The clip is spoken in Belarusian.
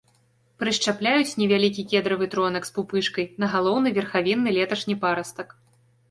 Прышчапляюць невялікі кедравы тронак з пупышкай на галоўны верхавінны леташні парастак.